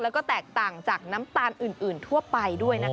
แล้วก็แตกต่างจากน้ำตาลอื่นทั่วไปด้วยนะคะ